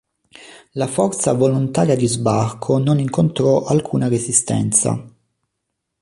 La forza volontaria di sbarco non incontrò alcuna resistenza.